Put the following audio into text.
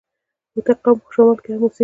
هوتک قوم په شمال کي هم اوسېږي.